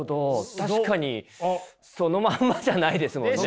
確かにそのまんまじゃないですもんね。